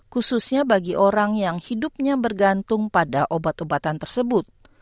khususnya bagi orang yang hidupnya bergantung pada obat obatan tersebut